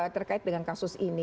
terkait dengan kasus ini